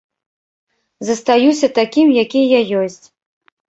Застаюся такім, які я ёсць.